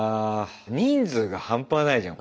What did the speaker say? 人数が半端ないじゃん